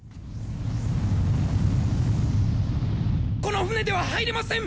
この船では入れません。